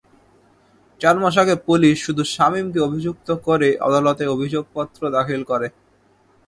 চার মাস আগে পুলিশ শুধু শামীমকে অভিযুক্ত করে আদালতে অভিযোগপত্র দাখিল করে।